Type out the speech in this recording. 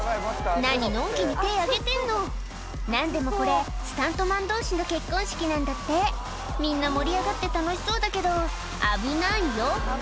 何のんきに手上げてんの何でもこれスタントマン同士の結婚式なんだってみんな盛り上がって楽しそうだけどアブナイよ